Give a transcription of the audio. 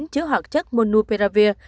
chứa hoạt chất monopiravir